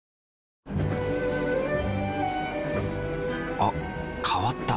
あ変わった。